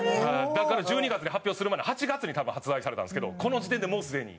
だから１２月で発表する前の８月に多分発売されたんですけどこの時点でもうすでに。